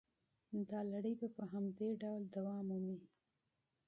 دا لړۍ په همدې ډول دوام مومي